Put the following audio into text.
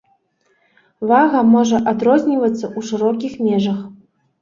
Вага можа адрознівацца ў шырокіх межах.